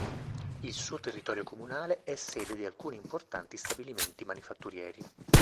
Il suo territorio comunale è sede di alcuni importanti stabilimenti manifatturieri.